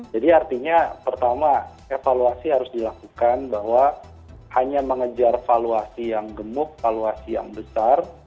jadi artinya pertama evaluasi harus dilakukan bahwa hanya mengejar valuasi yang gemuk valuasi yang besar